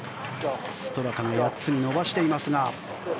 ストラカが４つに伸ばしていますが。